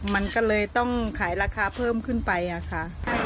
มันก็เลยต้องขายราคาเพิ่มขึ้นไปค่ะ